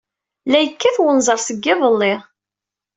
La yekkat wenẓar seg yiḍelli.